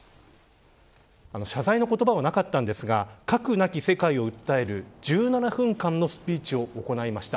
謝罪の言葉はありませんでしたが核なき世界を訴える１７分間のスピーチを行いました。